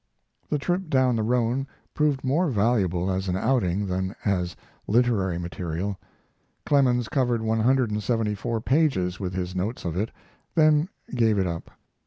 The trip down the Rhone proved more valuable as an outing than as literary material. Clemens covered one hundred and seventy four pages with his notes of it, then gave it up.